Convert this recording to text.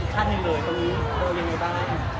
ตอนดูอยู่ก็กรี๊ดเหมือนกัน